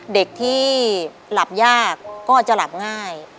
เด็กที่หลับยากก็จะหลับง่าย